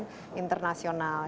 sifatnya kan internasional